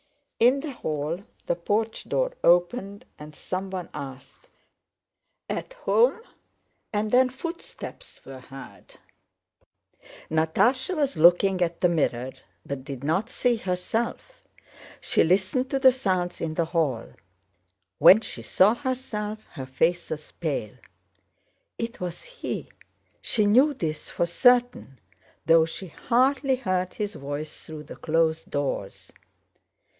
In the hall the porch door opened, and someone asked, "At home?" and then footsteps were heard. Natásha was looking at the mirror, but did not see herself. She listened to the sounds in the hall. When she saw herself, her face was pale. It was he. She knew this for certain, though she hardly heard his voice through the closed doors.